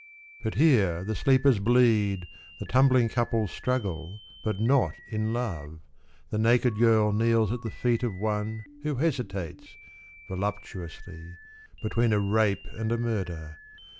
.) But here the sleepers bleed, the tumbling couples Struggle, but not in love; the naked girl Kneels at the feet of one who hesitates. Voluptuously, between a rape and a murder.